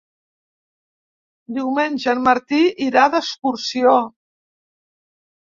Diumenge en Martí irà d'excursió.